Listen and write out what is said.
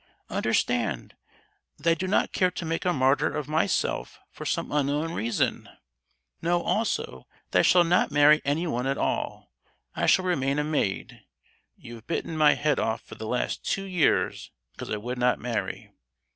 Understand, that I do not care to make a martyr of myself for some unknown reason! Know, also, that I shall not marry anyone at all; I shall remain a maid. You have bitten my head off for the last two years because I would not marry.